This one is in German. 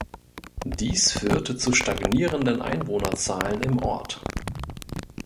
Dies führte zu stagnierenden Einwohnerzahlen im Ort.